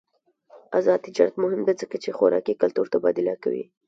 آزاد تجارت مهم دی ځکه چې خوراکي کلتور تبادله کوي.